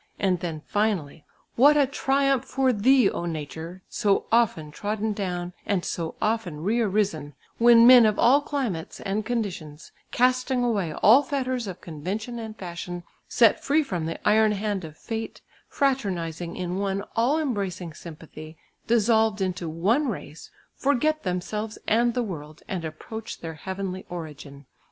And then finally, what a triumph for thee O Nature, so often trodden down and so often re arisen, when men of all climates and conditions, casting away all fetters of convention and fashion, set free from the iron hand of fate, fraternising in one all embracing sympathy, dissolved into one race, forget themselves and the world, and approach their heavenly origin.